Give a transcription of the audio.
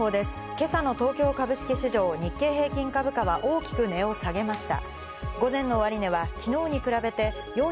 今朝の東京株式市場日経平均株価は大きく値を下げました。